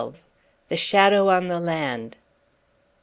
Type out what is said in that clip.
THE SHADOW ON THE LAND.